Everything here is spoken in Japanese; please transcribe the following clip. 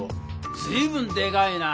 ずいぶんでかいな！